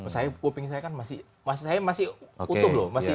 saya kuping saya kan masih utuh loh